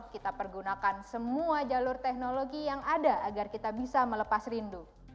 kita pergunakan semua jalur teknologi yang ada agar kita bisa melepas rindu